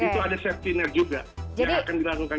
itu ada safety net juga yang akan dilakukan